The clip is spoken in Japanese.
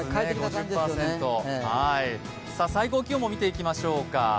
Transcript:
湿度、５０％、最高気温を見ていきましょうか。